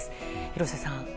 廣瀬さん。